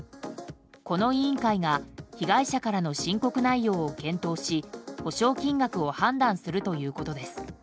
この委員会が被害者からの申告内容を検討し補償金額を判断するということです。